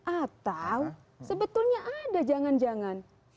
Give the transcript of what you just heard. atau sebetulnya ada jangan jangan